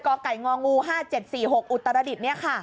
กไก่งองู๕๗๔๖อุตรดิศค่ะ